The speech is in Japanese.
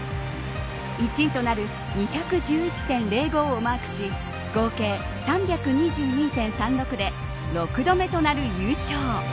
１位となる２１１．０５をマークし合計３２２．３６で６度目となる優勝。